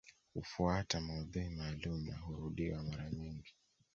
Hufuata maudhui maalumu na hurudiwa mara nyingi